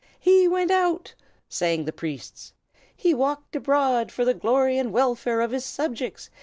"He went out!" sang the priests. "He walked abroad, for the glory and welfare of his subjects.